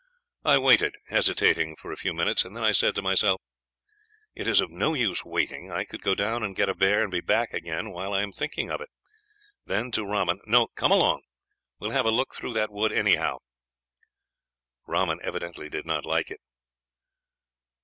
I waited, hesitating for a few minutes, and then I said to myself, 'It is of no use waiting. I could go down and get a bear and be back again while I am thinking of it;' then to Rahman, 'No, come along; we will have a look through that wood anyhow.' "Rahman evidently did not like it.